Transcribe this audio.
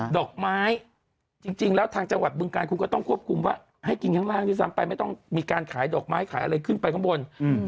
ดอกไม้จริงแล้วทางจังหวัดบึงการคุณก็ต้องควบคุมว่าให้กินข้างล่างด้วยซ้ำไปไม่ต้องมีการขายดอกไม้ขายอะไรขึ้นไปข้างบน